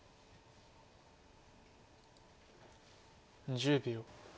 １０秒。